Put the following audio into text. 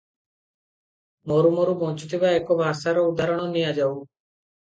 ମରୁ ମରୁ ବଞ୍ଚୁଥିବା ଏକ ଭାଷାର ଉଦାହରଣ ନିଆଯାଉ ।